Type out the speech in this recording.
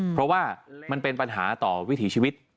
เพราะว่ามันเป็นปัญหาต่อวิถีชีวิต